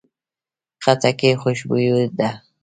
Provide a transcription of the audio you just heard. خټکی خوشبویه ده.